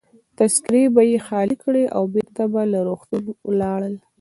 تذکیرې به يې خالي کړې او بیرته به له روغتونه ولاړل.